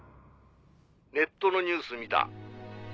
「ネットのニュース見た」